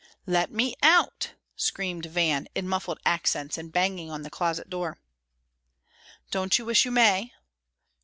"Let me out!" screamed Van, in muffled accents, and banging on the closet door. "Don't you wish you may?"